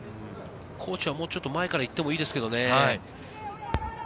高知はもうちょっと前から行ってもいいですけどね。